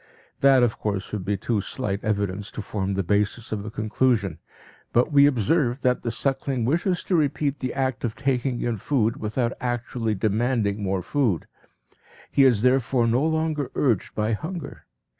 That of course would be too slight evidence to form the basis of a conclusion. But we observe that the suckling wishes to repeat the act of taking in food without actually demanding more food; he is therefore no longer urged by hunger.